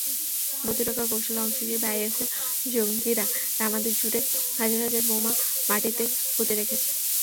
প্রতিরক্ষা কৌশলের অংশ হিসেবে আইএসের জঙ্গিরা রামাদিজুড়ে হাজার হাজার বোমা মাটিতে পুঁতে রেখেছে।